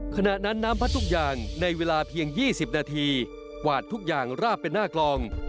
ขณะนั้นน้ำพัดทุกอย่างในเวลาเพียง๒๐นาทีกวาดทุกอย่างราบเป็นหน้ากลอง